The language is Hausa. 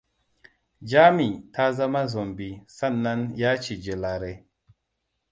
Jami ta zama zombie sannan ya cije Lare.